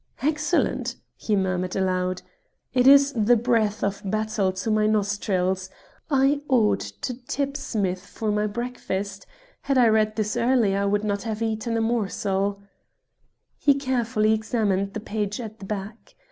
"Excellent!" he murmured aloud. "It is the breath of battle to my nostrils. I ought to tip Smith for my breakfast. Had I read this earlier, I would not have eaten a morsel." He carefully examined the page at the back.